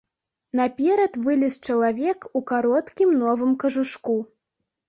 Наперад вылез чалавек у кароткім новым кажушку.